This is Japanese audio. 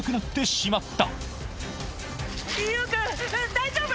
大丈夫？